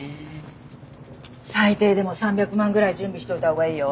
最低でも３００万ぐらい準備しといた方がいいよ。